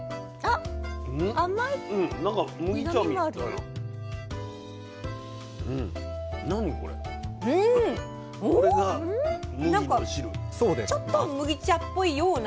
なんかちょっと麦茶っぽいような。